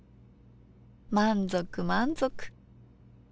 満足満足。